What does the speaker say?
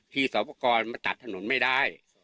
สอบประกอบมาตัดถนนไม่ได้